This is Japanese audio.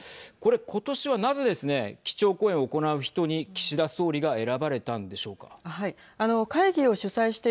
ことしはなぜですね基調講演を行う人に岸田総理が選ばれたんでしょうか。